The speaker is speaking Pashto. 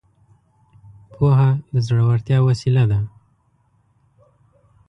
پوهه د زړورتيا وسيله ده.